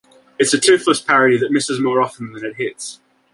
It's a toothless parody that misses more often than it hits.